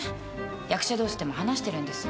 役者同士でも話してるんです。